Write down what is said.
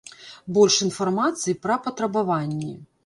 Больш інфармацыі пра патрабаванні.